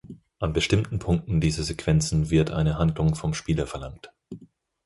An bestimmten Punkten dieser Sequenzen wird eine Handlung vom Spieler verlangt.